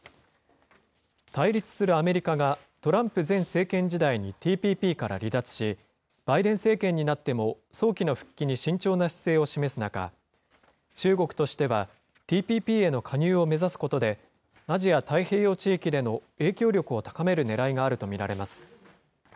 対立するアメリカが、トランプ前政権時代にＴＰＰから離脱し、バイデン政権になっても、早期の復帰に慎重な姿勢を示す中、中国としては、ＴＰＰへの加入を目指すことで、アジア太平洋地域での影響力を高めるねらいがあると見られます。